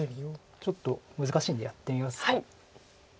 ちょっと難しいんでやってみますか。